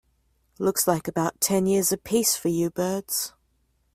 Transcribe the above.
Looks like about ten years a piece for you birds.